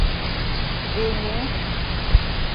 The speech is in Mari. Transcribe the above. Веҥе!